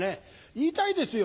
言いたいですよ